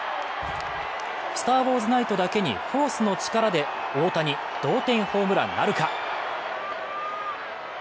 スターウォーズ・ナイトだけにフォースの力で大谷、同点ホームランなるか。